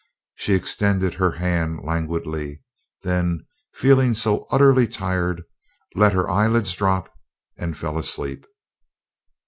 She extended her hands languidly, then, feeling so utterly tired, let her eyelids drop and fell asleep.